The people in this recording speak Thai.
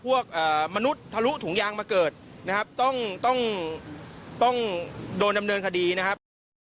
มนุษย์ทะลุถุงยางมาเกิดนะครับต้องต้องโดนดำเนินคดีนะครับ